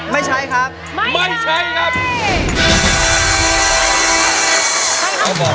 ไม่ใช้ครับ